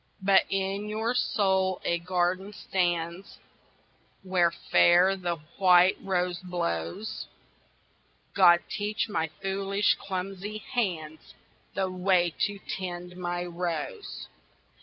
But in your soul a garden stands Where fair the white rose blows God, teach my foolish clumsy hands The way to tend my rose.